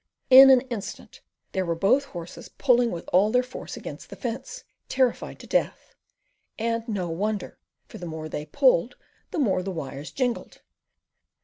In an instant there were both the horses pulling with all their force against the fence, terrified to death; and no wonder, for the more they pulled the more the wires jingled.